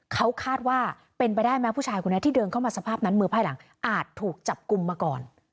เขาคาดว่าเป็นไปได้ไหมผู้ชายคนนี้ที่เดินเข้ามาสภาพนั้นมือไพ่หลังอาจถูกจับกลุ่มมาก่อน